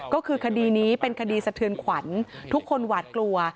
ก็คือคดีนี้เป็นคดีสะเทือนขวัญทุกคนหวาดกลัว